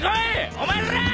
お前らぁ！